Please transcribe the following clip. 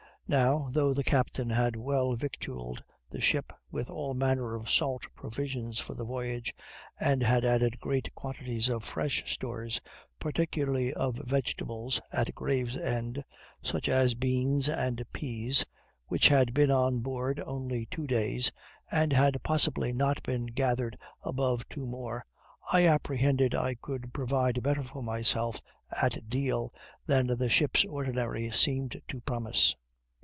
Now, though the captain had well victualled his ship with all manner of salt provisions for the voyage, and had added great quantities of fresh stores, particularly of vegetables, at Gravesend, such as beans and peas, which had been on board only two days, and had possibly not been gathered above two more, I apprehended I could provide better for myself at Deal than the ship's ordinary seemed to promise.